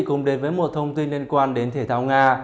cùng đến với một thông tin liên quan đến thể thao nga